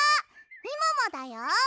みももだよ！